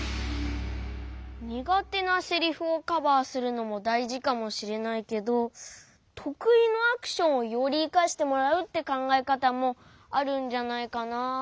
にがてなセリフをカバーするのもだいじかもしれないけどとくいのアクションをよりいかしてもらうってかんがえかたもあるんじゃないかな。